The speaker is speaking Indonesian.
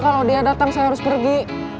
kalau dia datang saya harus pergi